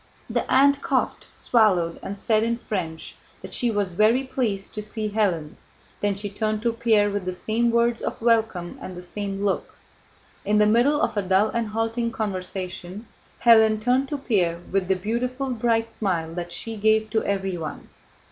The aunt coughed, swallowed, and said in French that she was very pleased to see Hélène, then she turned to Pierre with the same words of welcome and the same look. In the middle of a dull and halting conversation, Hélène turned to Pierre with the beautiful bright smile that she gave to everyone.